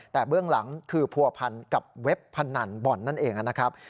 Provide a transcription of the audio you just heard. แต่เบื้องหลังคือผัวพันกับเว็บพนันบ่อนนั่นเองนะครับ